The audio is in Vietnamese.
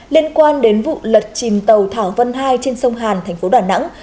liên quan đến vụ lật chìm tàu thảo vân hai trên sông hàn thành phố đà nẵng